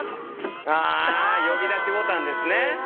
あ呼び出しボタンですね。